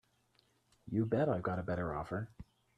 You bet I've got a better offer.